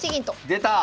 出た！